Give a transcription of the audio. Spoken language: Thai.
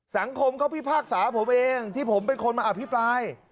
สังคมเขาพิพากษาผมเองที่ผมเป็นคนมาอภิปราย